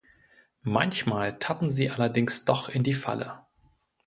Manchmal tappen sie allerdings doch in die Falle.